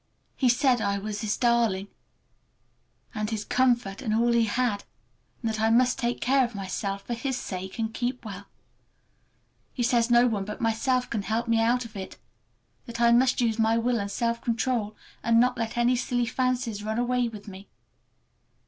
He said I was his darling and his comfort and all he had, and that I must take care of myself for his sake, and keep well. He says no one but myself can help me out of it, that I must use my will and self control and not let any silly fancies run away with me.